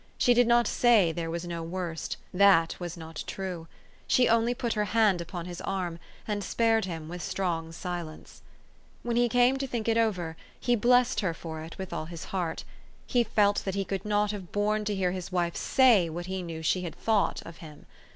She did not say there was no worst. That was not true. She only put her hand upon his arm, and spared him with strong silence. When he came to think it over, he blessed her for it with all his heart. He felt that he could not have borne to hear his wife say what he knew she had thought of him.